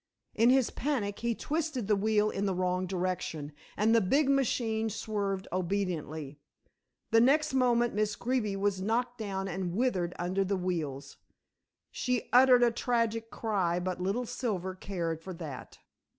In his panic he twisted the wheel in the wrong direction, and the big machine swerved obediently. The next moment Miss Greeby was knocked down and writhed under the wheels. She uttered a tragic cry, but little Silver cared for that.